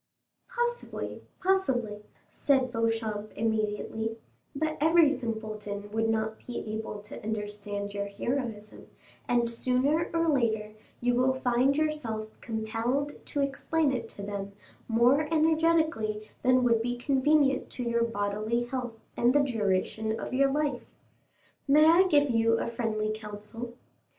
"Possibly, possibly," said Beauchamp immediately; "but every simpleton would not be able to understand your heroism, and sooner or later you will find yourself compelled to explain it to them more energetically than would be convenient to your bodily health and the duration of your life. May I give you a friendly counsel?